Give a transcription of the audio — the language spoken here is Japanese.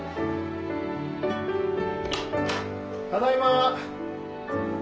・・ただいま。